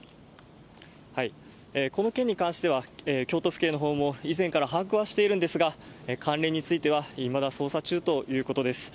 この件に関しては、京都府警のほうも以前から把握はしているんですが、関連についてはいまだ捜査中ということです。